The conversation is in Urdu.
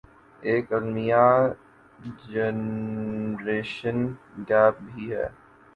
ایک المیہ جنریشن گیپ بھی ہے